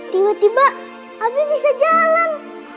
tiba tiba kami bisa jalan